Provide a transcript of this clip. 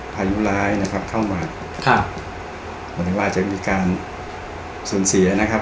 พายุร้ายนะครับเข้ามาครับหมายถึงว่าอาจจะมีการสูญเสียนะครับ